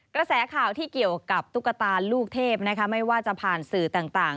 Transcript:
กระแสข่าวที่เกี่ยวกับตุ๊กตาลูกเทพนะคะไม่ว่าจะผ่านสื่อต่าง